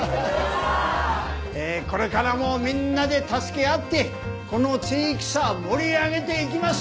えーこれからもみんなで助け合ってこの地域さ盛り上げていきましょう！